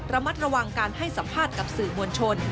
ระมัดระวังการให้สัมภาษณ์กับสื่อมวลชน